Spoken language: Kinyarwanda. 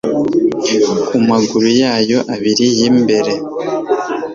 Ku maguru yayo abiri yimbere